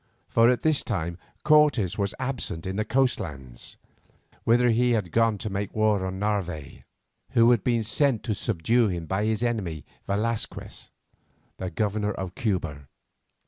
For at this time Cortes was absent in the coast lands, whither he had gone to make war on Narvaez, who had been sent to subdue him by his enemy Velasquez, the governor of Cuba.